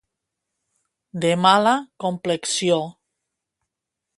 De mala complexió.